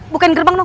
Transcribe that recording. bukain gerbang dong